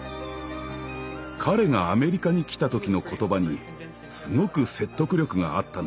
彼がアメリカに来た時の言葉にすごく説得力があったんです。